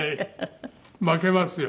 負けますよ。